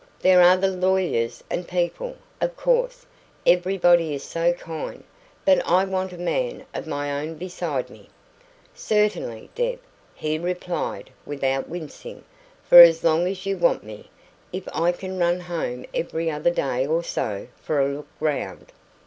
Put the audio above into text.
There are the lawyers and people, of course everybody is so kind but I want a man of my own beside me." "Certainly, Deb," he replied, without wincing; "for as long as you want me if I can run home every other day or so for a look round."